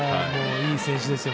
いい選手ですよ。